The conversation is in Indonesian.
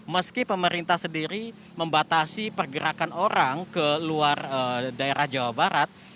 meski pemerintah sendiri membatasi pergerakan orang ke luar daerah jawa barat